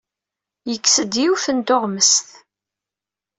Yekkes-d yiwet n tuɣmest.